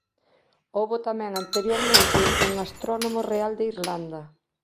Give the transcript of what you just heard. Houbo tamén anteriormente un "Astrónomo Real de Irlanda".